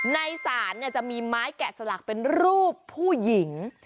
ในศาลจะมีไม้แกะสลักเป็นรูปผู้หญิง